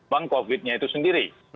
bank covid nya itu sendiri